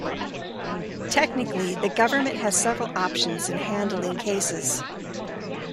Technically, the government has several options in handing cases.